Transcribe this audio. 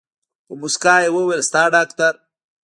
په موسکا يې وويل ستا ډاکتر.